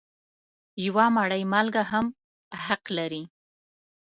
یوه مړۍ مالګه هم حق لري.